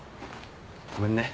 ごめんね。